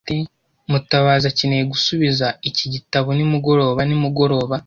Mutabazi akeneye gusubiza iki gitabo nimugoroba nimugoroba.